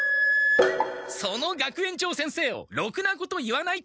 その学園長先生を「ろくなこと言わない」とは何事だ！